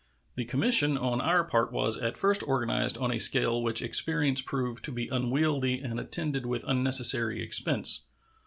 The commission on our part was at first organized on a scale which experience proved to be unwieldy and attended with unnecessary expense.